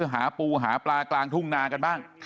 หาปูหาปลากลางทุ่งนากันบ้าง